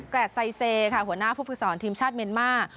กราชไซเซค่ะหัวหน้าผู้ฝึกสอนทีมชาติเมนเมื่อ